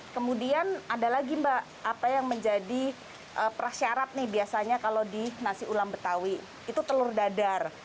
kemudian ada lagi mbak apa yang menjadi prasyarat nih biasanya kalau di nasi ulam betawi itu telur dadar